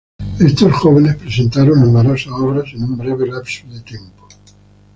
Estos jóvenes presentaron numerosas obras en un breve lapso de tiempo.